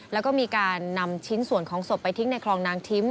แล้วก็มีการนำชิ้นส่วนของศพไปทิ้งในคลองนางทิ้ม